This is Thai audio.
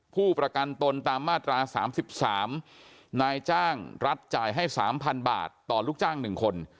ผู้ประกันตนตามมาตรา๓๓นายจ้างรัฐจ่ายให้๓๐๐๐บาทต่อลูกจ้าง๑คน